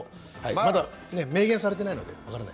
まだ明言されてないので分からない。